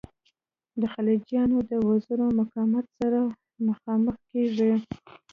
د خلجیانو د زورور مقاومت سره مخامخ کیږو.